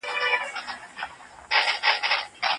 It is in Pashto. تر دغه مجلس څو شپې وروسته دي صالح شخص په خوب کي وليد؟